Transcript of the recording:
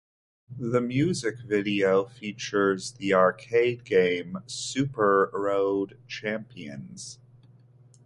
The music video features the arcade game "Super Road Champions".